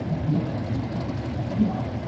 The product and the company were dubbed Primus.